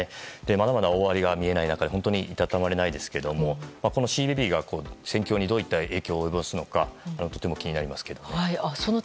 まだまだ終わりが見えない中で本当に、いたたまれないですけどこのシーベビーが、戦況にどういった影響を与えるのかとても気になりますけど。